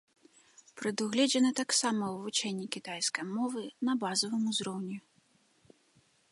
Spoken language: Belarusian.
Прадугледжана таксама вывучэнне кітайскай мовы на базавым узроўні.